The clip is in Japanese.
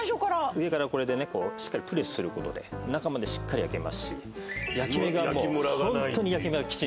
上からこれでねしっかりプレスすることで中までしっかり焼けますしホントに焼き目がきちんとつきます。